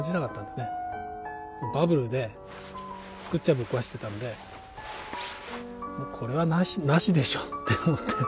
バブルでつくっちゃぶっ壊していたんでこれはなしでしょって思って。